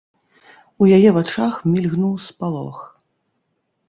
У яе вачах мільгнуў спалох.